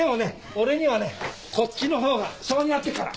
俺にはねこっちのほうが性に合ってっから。